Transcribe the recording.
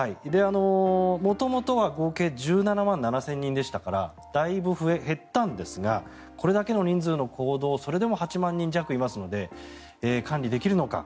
元々は合計１７万７０００人でしたからだいぶ減ったんですがこれだけの人数の行動をそれでも８万人弱いますので管理できるのか。